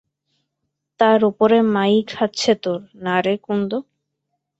তার ওপরে মাই খাচ্ছে তোর, না রে কুন্দ?